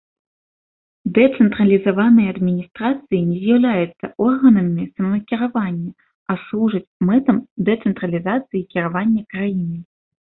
Дэцэнтралізаваныя адміністрацыі не з'яўляюцца органамі самакіравання, а служаць мэтам дэцэнтралізацыі кіравання краінай.